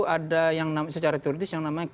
ada yang secara turis yang namanya